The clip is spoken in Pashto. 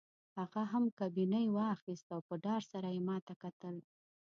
هغه هم ګبڼۍ واخیست او په ډار سره یې ما ته کتل.